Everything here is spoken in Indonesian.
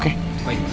kamu balikin ke dia